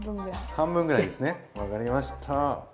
半分ぐらいですね分かりました。